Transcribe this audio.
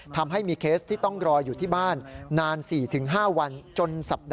ทำให้มีเคสที่ต้องรออยู่ที่บ้านนาน๔๕วัน